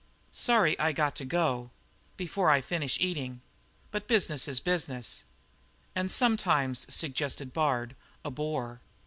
"Sorry I got to go before I finished eating but business is business." "And sometimes," suggested Bard, "a bore."